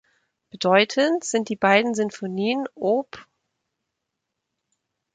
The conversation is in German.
Bedeutend sind die beiden Sinfonien op.